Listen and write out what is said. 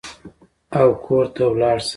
او کور ته ولاړ شم.